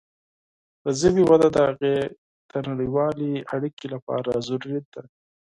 د ژبې وده د هغې د نړیوالې اړیکې لپاره ضروري ده.